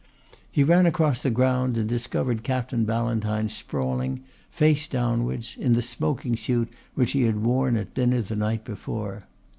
He ran across the ground and discovered Captain Ballantyne sprawling, face downwards, in the smoking suit which he had worn at dinner the night before.